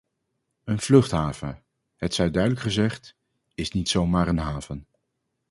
Een vluchthaven - het zij duidelijk gezegd - is niet zo maar een haven.